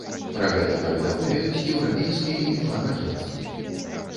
Пра гэта паведамляюць еўрапейскія інфармагенцтвы.